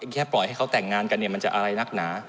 แค่ปล่อยให้เขาแต่งงานกันเนี่ยมันจะอะไรนักหนา